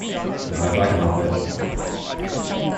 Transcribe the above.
Not if I can help it.